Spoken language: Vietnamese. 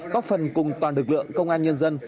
góp phần cùng toàn lực lượng công an nhân dân